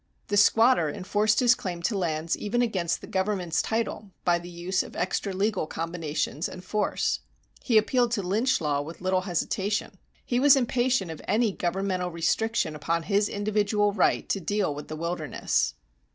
The squatter enforced his claim to lands even against the government's title by the use of extra legal combinations and force. He appealed to lynch law with little hesitation. He was impatient of any governmental restriction upon his individual right to deal with the wilderness.